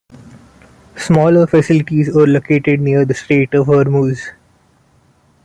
Smaller facilities were located near the Strait of Hormuz.